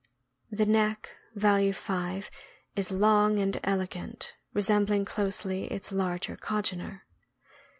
The neck (value 5) is long and elegant, resembling closely its larger congener.